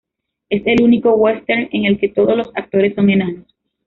Es el único western en el que todos los actores son enanos.